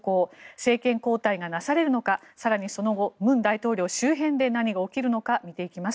政権交代がなされるのか更にその後、文大統領周辺で何が起きるのか見ていきます。